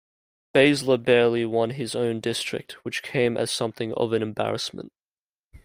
Baesler barely won his own district, which came as something of an embarrassment.